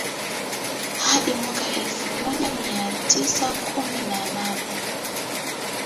hadi mwaka elfu moja mia tisa kumi na nane